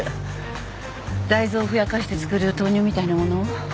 大豆をふやかして作る豆乳みたいなもの。